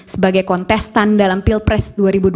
sebagai kontestan dalam pilpres dua ribu dua puluh